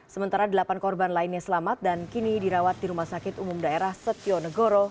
sementara delapan korban lainnya selamat dan kini dirawat di rumah sakit umum daerah setio negoro